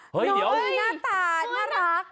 ครับนี่หน้าตาน่ารัก